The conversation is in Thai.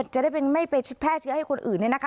จะได้เป็นไม่ไปแพทย์เชื้อให้คนอื่นเลยนะคะ